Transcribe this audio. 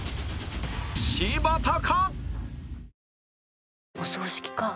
柴田か？